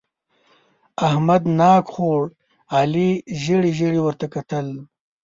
احمد ناک خوړ؛ علي ژېړې ژېړې ورته کتل.